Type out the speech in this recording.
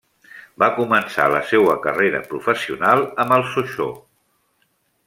Va començar la seua carrera professional amb el Sochaux.